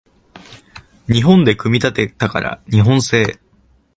日本で組み立てたから日本製